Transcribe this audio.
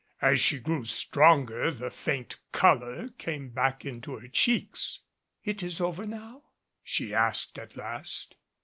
As she grew stronger the faint color came back into her cheeks. "It is over now?" she asked at last.